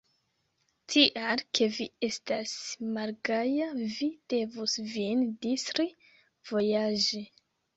Tial ke vi estas malgaja, vi devus vin distri, vojaĝi.